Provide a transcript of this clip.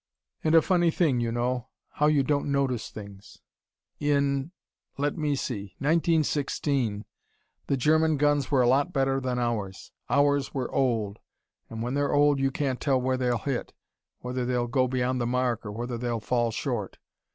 "And a funny thing you know how you don't notice things. In let me see 1916, the German guns were a lot better than ours. Ours were old, and when they're old you can't tell where they'll hit: whether they'll go beyond the mark, or whether they'll fall short.